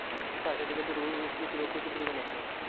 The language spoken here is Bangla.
ফায়ার সার্ভিসের হিসাবেও ক্ষয়ক্ষতির পরিমাণ একই।